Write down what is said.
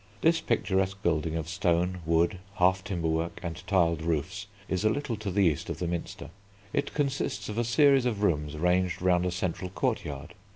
This picturesque building of stone, wood, half timber work, and tiled roofs is a little to the east of the Minster. It consists of a series of rooms ranged round a central courtyard.